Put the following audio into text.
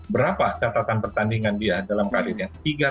berapa catatan pertandingan dia dalam karirnya